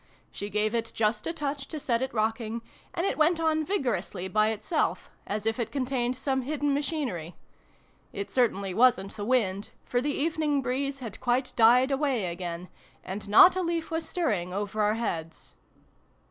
She gave it just a touch to set it rocking, and it went on vigorously by itself, as if it contained some hidden machinery. It certainly wasn't the wind, for the evening breeze had quite died away again, and not a leaf was stirring over our heads.